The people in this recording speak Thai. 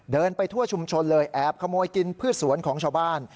เดินไปทั่วชุมชนเลยแอบขโมยกินพืชสวนของชาวบ้าน